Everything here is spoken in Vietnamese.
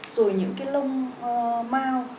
rồi những cái lông mau